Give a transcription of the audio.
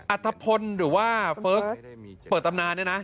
อัตภพลหรือว่าเฟิร์สเปิดตำนานเนี่ยนะ